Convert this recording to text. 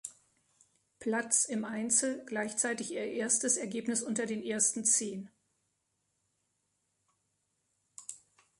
Platz im Einzel, gleichzeitig ihr erstes Ergebnis unter den ersten Zehn.